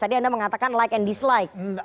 tadi anda mengatakan like and dislike